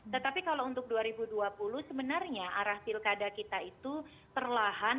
tetapi kalau untuk dua ribu dua puluh sebenarnya arah pilkada kita itu perlahan